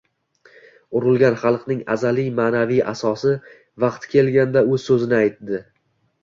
urilgan xalqning azaliy ma’naviy asosi vaqti kelganda o‘z so‘zini aytdi